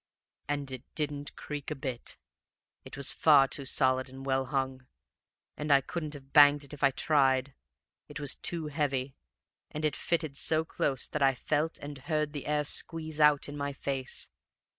And it didn't creak a bit; it was far too solid and well hung; and I couldn't have banged it if I tried, it was too heavy; and it fitted so close that I felt and heard the air squeeze out in my face.